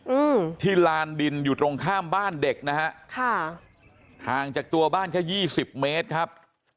อืมที่ลานดินอยู่ตรงข้ามบ้านเด็กนะฮะค่ะห่างจากตัวบ้านแค่ยี่สิบเมตรครับ